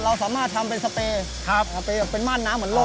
เราสามารถทำเป็นสเปรย์สเปย์เป็นม่านน้ำเหมือนโลก